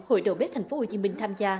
hội đồ bếp tp hcm tham gia